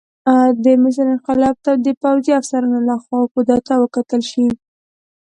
د مصر انقلاب ته د پوځي افسرانو لخوا کودتا وکتل شي.